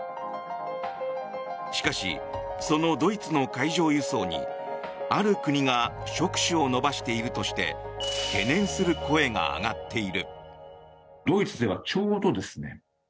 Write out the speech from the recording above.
しかし、そのドイツの海上輸送にある国が触手を伸ばしているとして懸念する声が上がっている。